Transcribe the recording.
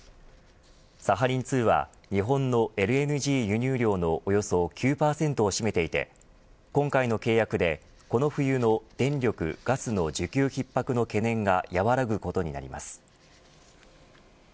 サハリン２は日本のＬＮＧ輸入量のおよそ９％を占めていて今回の契約で、この冬の電力・ガスの需給逼迫の懸念が和らぐことになります。